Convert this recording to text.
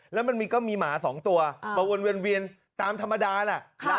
แล้วมันก็มีหมา๒ตัวมาวนเวียนตามธรรมดาแหละ